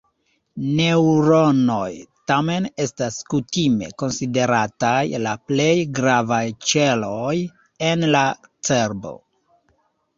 Neŭronoj, tamen, estas kutime konsiderataj la plej gravaj ĉeloj en la cerbo.